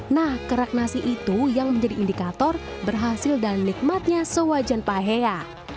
nah kerak nasi itu yang menjadi indikator berhasil dan nikmatnya sewajan pahea